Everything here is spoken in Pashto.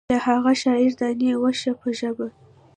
د هغه شاعر دانې وشه په ژبه.